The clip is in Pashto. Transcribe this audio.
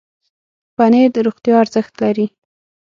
پنېر د روغتیا ارزښت لري.